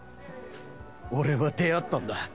俺は出会ったんだ